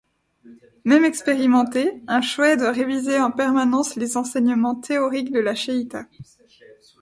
Même expérimenté, un shohet doit réviser en permanence les enseignements théoriques de la shehita.